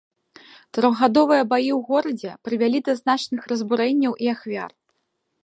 Трохгадовыя баі ў горадзе прывялі да значных разбурэнняў і ахвяр.